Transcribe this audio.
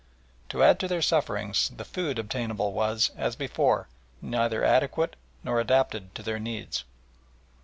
To add to their sufferings the food obtainable was, as before, neither adequate nor adapted to their needs.